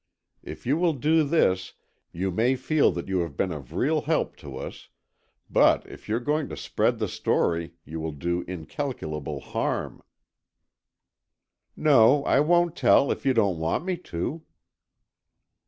If you will do this, you may feel that you have been of real help to us, but if you're going to spread the story you will do incalculable harm." "No, I won't tell if you don't want me to."